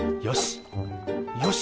よし！